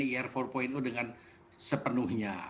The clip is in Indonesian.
ir empat dengan sepenuhnya